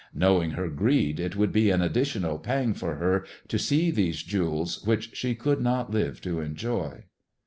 Knowing her greed, it would be an additional pang for her to see these jewels which she could not live to enjoy."